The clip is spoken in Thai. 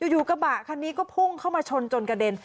อยู่กระบะคันนี้ก็พุ่งเข้ามาชนจนกระเด็น